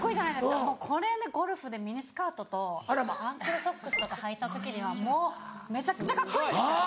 これでゴルフでミニスカートとアンクルソックスとかはいた時にはもうめちゃくちゃカッコいいんです。